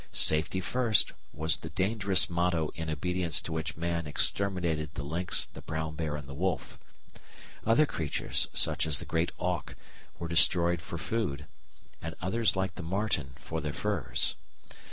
"Safety first" was the dangerous motto in obedience to which man exterminated the lynx, the brown bear, and the wolf. Other creatures, such as the great auk, were destroyed for food, and others like the marten for their furs.